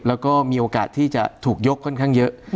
แล้วก็มีโอกาสที่จะถูกยกค่อนข้างเยอะ